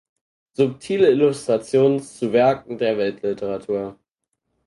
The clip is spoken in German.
Subtile Illustrationen zu Werken der Weltliteratur.